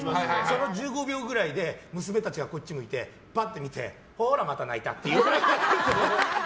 その１５秒ぐらいで娘たちがこっちをパッと見てほら、また泣いたって。